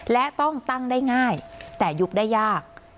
และต้องตั้งได้ง่ายแต่ยุบได้ยาก